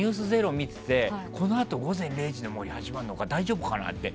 「ｎｅｗｓｚｅｒｏ」を見ててこのあと「午前０時の森」始まるのか大丈夫かなって。